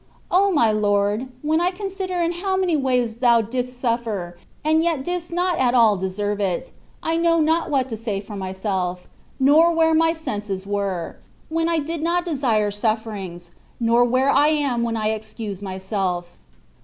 O my Lord ! when I consider in how many ways Thou didst suflfer, and yet didst not at all deserve it, I know not what to say for myself, nor where my senses were, when I did not desire suflFerings, nor where I am when I excuse myself.